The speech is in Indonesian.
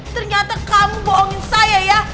ternyata kampung bohongin saya ya